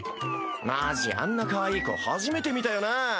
マジあんなかわいい子初めて見たよなぁ。